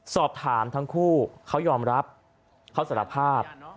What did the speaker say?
สอบถามทั้งคู่เขายอมรับเขาสารภาพ